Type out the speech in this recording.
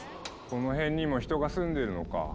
この辺にも人が住んでるのか。